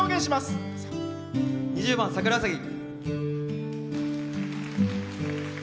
２０番「サクラウサギ」。